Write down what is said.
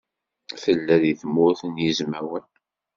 Tella deg Tmurt n Yizwawen.